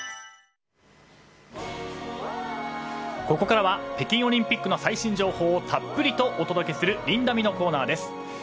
ここからは北京オリンピックの最新情報をたっぷりとお届けするリンナビ！のコーナーです。